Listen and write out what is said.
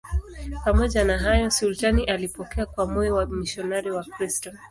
Pamoja na hayo, sultani alipokea kwa moyo wamisionari Wakristo.